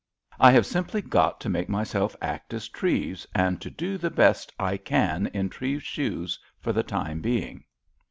"I have simply got to make myself act as Treves, and to do the best I can in Treves's shoes for the time being."